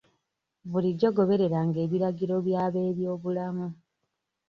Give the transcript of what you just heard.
Bulijjo gobereranga ebiragiro by'ab'ebyobulamu.